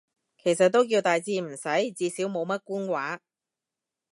其實都叫大致啱使，至少冇乜官話